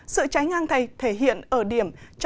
sự trái ngang thể hiện ở điểm